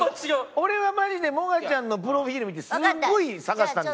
俺はマジでもがちゃんのプロフィール見てすごい探したんですから。